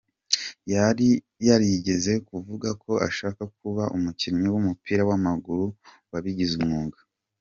Yari yarigeze kuvuga ko ashaka kuba umukinnyi w'umupira w'amaguru wabigize umwuga.